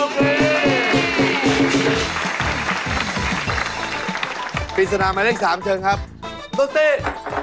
ปริศนาหมายเลข๓เชิญครับตุ๊กตี้